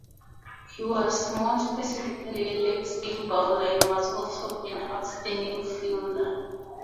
He was more specifically a leg spin bowler and was also an outstanding fielder.